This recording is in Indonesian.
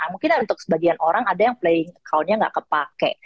mungkin untuk sebagian orang ada yang playing accountnya nggak kepake